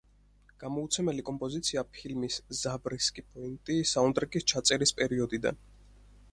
გამოუცემელი კომპოზიცია ფილმის „ზაბრისკი პოინტი“ საუნდტრეკის ჩაწერის პერიოდიდან.